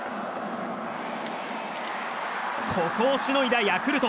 ここをしのいだヤクルト。